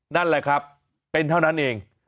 นั่นแหละครับเป็นเท่านั้นเอง